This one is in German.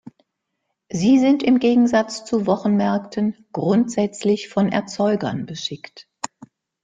Sie sind im Gegensatz zu Wochenmärkten grundsätzlich von Erzeugern beschickt.